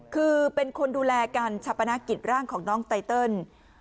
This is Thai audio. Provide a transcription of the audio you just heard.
คือเป็นคนดูแลการชาปนกิจร่างของน้องไตเติล